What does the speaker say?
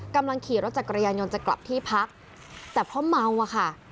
กำลังขี่รถจักรยานยนต์จะกลับที่พักแต่เพราะเมาอะค่ะ